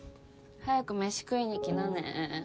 早く飯食いに来なね。